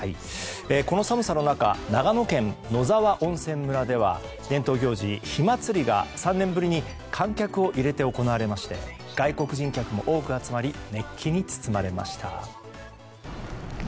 この寒さの中長野県野沢温泉村では伝統行事、火祭りが３年ぶりに観客を入れて行われまして外国人客も多く集まり熱気に包まれました。